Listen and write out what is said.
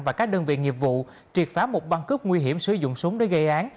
và các đơn vị nghiệp vụ triệt phá một băng cướp nguy hiểm sử dụng súng để gây án